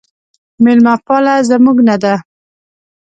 میلمه پاله زموږ نه ده